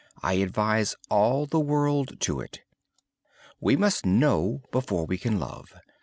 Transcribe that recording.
I advise all the world to do it. We must know before we can love.